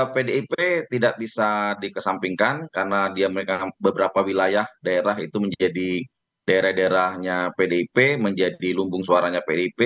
pdip tidak bisa dikesampingkan karena dia beberapa wilayah daerah itu menjadi daerah daerahnya pdip menjadi lumbung suaranya pdip